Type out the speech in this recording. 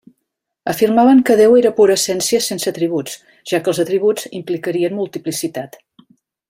Afirmaven que Déu era pura essència sense atributs, ja que els atributs implicarien multiplicitat.